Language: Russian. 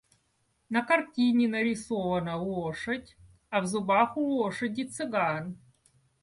На картине нарисована лошадь, а в зубах у лошади цыган.